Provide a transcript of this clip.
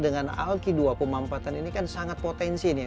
dengan alki dua pemampatan ini kan sangat potensi nih